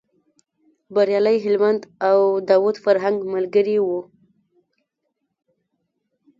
بریالی هلمند او داود فرهنګ ملګري و.